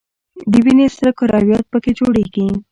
د وینې سره کرویات په ... کې جوړیږي.